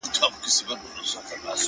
• ميئن د كلي پر انجونو يمه؛